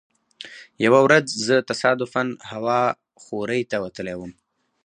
یوه ورځ زه تصادفا هوا خورۍ ته وتلی وم.